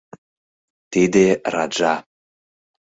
— Тиде раджа...